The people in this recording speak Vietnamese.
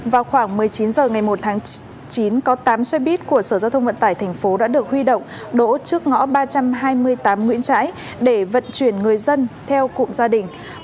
vào khoảng một mươi chín h ngày một tháng chín có tám xe buýt của sở giao thông vận tải thành phố đã được huy động đổ trước ngõ ba trăm hai mươi tám nguyễn trãi để vận chuyển người dân theo cụm gia đình